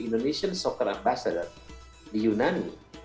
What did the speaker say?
indonesian soccer ambassador di yunani